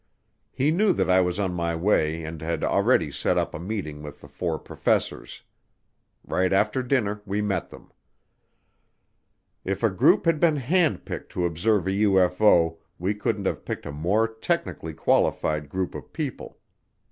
He knew that I was on my way and had already set up a meeting with the four professors. Right after dinner we met them. If a group had been hand picked to observe a UFO, we couldn't have picked a more technically qualified group of people.